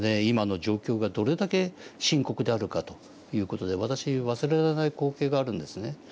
今の状況がどれだけ深刻であるかという事で私忘れられない光景があるんですね。